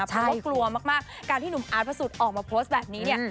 เพราะว่ากลัวมากการที่หนุ่มอาร์ตพระสุทธิ์ออกมาโพสต์แบบนี้เนี่ย